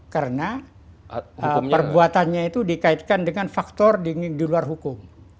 karena perbuatannya itu dikaitkan dengan faktor di luar hukum